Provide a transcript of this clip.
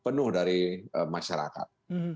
ya penuh dari masyarakat